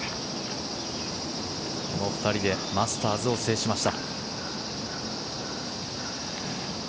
この２人でマスターズを制しました。